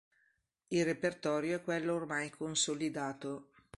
Il repertorio è quello ormai consolidato.